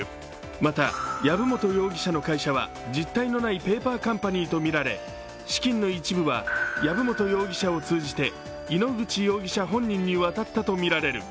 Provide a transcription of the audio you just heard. また籔本容疑者の会社は実体のないペーパーカンパニーとみられ、資金の一部は籔本容疑者を通じて井ノ口容疑者本人に渡ったとみられる。